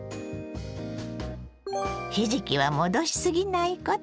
ひじきは戻しすぎないこと。